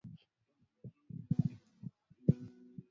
da kapime kwa sababu sindano hizi